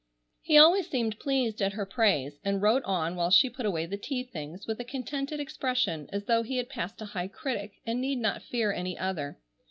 He always seemed pleased at her praise, and wrote on while she put away the tea things with a contented expression as though he had passed a high critic, and need not fear any other.